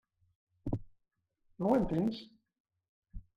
No ho entens?